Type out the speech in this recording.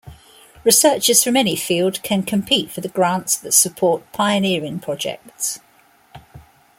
Researchers from any field can compete for the grants that support pioneering projects.